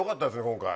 今回。